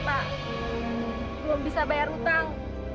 belum bisa bayar hutang